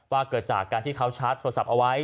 เกิดจากการที่เขาชาร์จโทรศัพท์เอาไว้